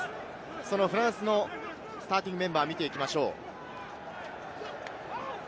そのフランスのスターティングメンバーを見ていきましょう。